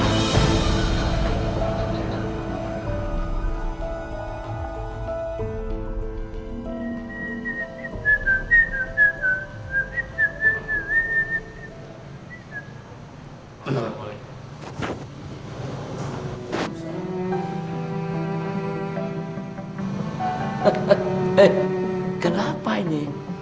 eh kenapa ini